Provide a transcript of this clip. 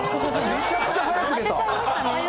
めちゃくちゃ速く出た。